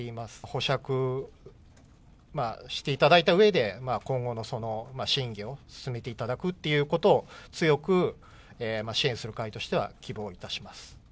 保釈していただいたうえで、今後の審議を進めていただくっていうことを強く支援する会としては希望いたします。